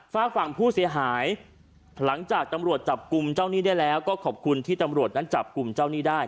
ฝากฝั่งผู้เสียหายหลังจากตำรวจจับกลุ่มเจ้าหนี้ได้แล้วก็ขอบคุณที่ตำรวจนั้นจับกลุ่มเจ้าหนี้ได้